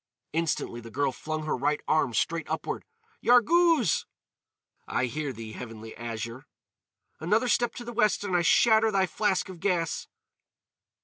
Instantly the girl flung her right arm straight upward. "Yarghouz!" "I hear thee, Heavenly Azure." "Another step to the west and I shatter thy flask of gas."